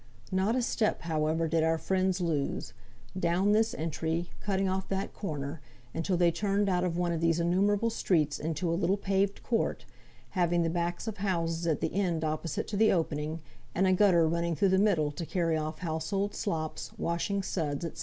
Not a step, however, did our friends lose; down this entry, cutting off that corner, until they turned out of one of these innumerable streets into a little paved court, having the backs of houses at the end opposite to the opening, and a gutter running through the middle to carry off household slops, washing suds, &c.